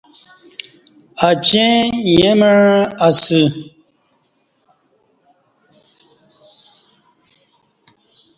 اچی ییں مع اسی۔